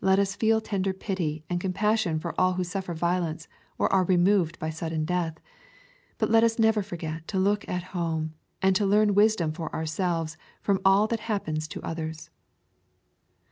Let us feel tender pity and compassion for all who suffer violence, or ara removed by sudden death. But let us never forget to look at home, and to learn wisdom for ourselves from all that happens to others.